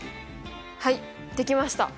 はいできました。